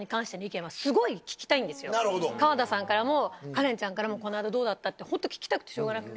川田さんからもカレンちゃんからもこの間どうだった？ってホント聞きたくてしょうがなくて。